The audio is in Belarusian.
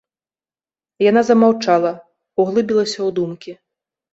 Яна замаўчала, углыбілася ў думкі.